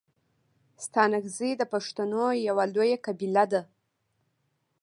ستانگزي د پښتنو یو لويه قبیله ده.